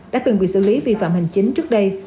đã từng bị xử lý vi phạm hành chính trước đây